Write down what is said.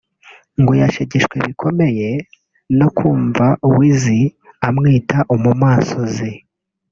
ngo yashegeshwe bikomeye no kumva Wiz amwita ‘umumansuzi’